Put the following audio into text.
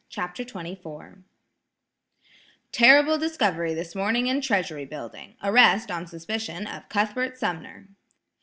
CHAPTER XXIV "Terrible discovery this morning in Treasury building! Arrest, on suspicion, of Mr. Cuthbert Sumner!"